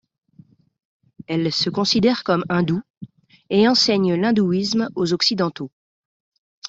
Elle se considère comme hindoue et enseigne l'hindouisme aux Occidentaux.